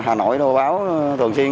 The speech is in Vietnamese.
mà hà nội đồ báo thường xuyên